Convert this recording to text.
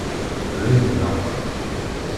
D ayen ilaqen.